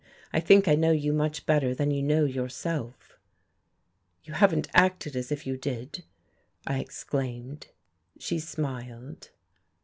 I think I know you much better than you know yourself." "You haven't acted as if you did," I exclaimed. She smiled.